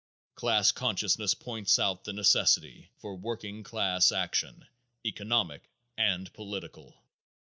Class consciousness points out the necessity for working class action, economic and political.